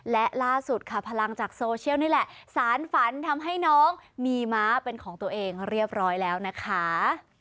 และล่าสุดค่ะพลังจากโซเชียลนี่แหละสารฝันทำให้น้องมีม้าเป็นของตัวเองเรียบร้อยแล้วนะคะ